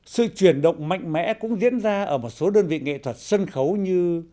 sự chuyển động mạnh mẽ cũng diễn ra ở một số đơn vị nghệ thuật sân khấu như